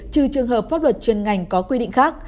trừ trường hợp pháp luật chuyên ngành có quy định khác